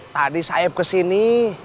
tadi saeb kesini